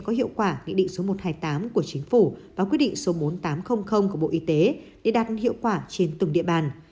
có hiệu quả nghị định số một trăm hai mươi tám của chính phủ và quyết định số bốn nghìn tám trăm linh của bộ y tế để đạt hiệu quả trên từng địa bàn